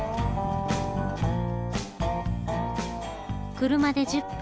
車で１０分。